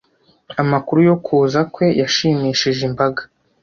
Amakuru yo kuza kwe yashimishije imbaga.